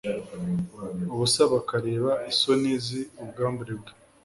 ubusa bakareba isoni z ubwambure bwe